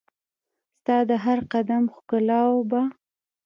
ستا د هرقدم ښکالو به